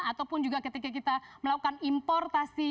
ataupun juga ketika kita melakukan importasi